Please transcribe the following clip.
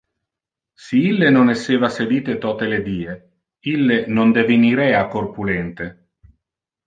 Si ille non esseva sedite tote le die, ille non devenirea corpulente.